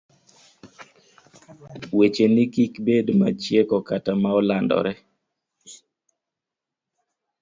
wecheneni kik bed machieko kata ma olandore.